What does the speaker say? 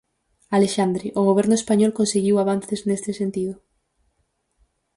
Alexandre, o goberno español conseguiu avances neste sentido?